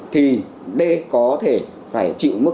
thì d có thể phải chịu mức